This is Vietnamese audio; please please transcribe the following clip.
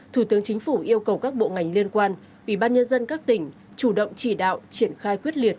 thủ tướng chính phủ yêu cầu các bộ ngành liên quan ủy ban nhân dân các tỉnh chủ động chỉ đạo triển khai quyết liệt